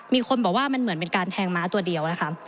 มีคนบอกว่ามันเหมือนเป็นการแทงม้าตัวเดียวนะคะ